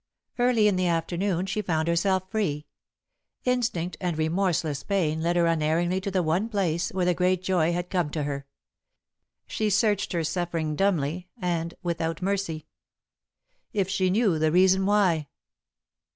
Early in the afternoon, she found herself free. Instinct and remorseless pain led her unerringly to the one place, where the great joy had come to her. She searched her suffering dumbly, and without mercy. If she knew the reason why!